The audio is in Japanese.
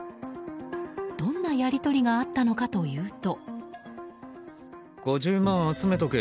どんなやり取りがあったのかというと。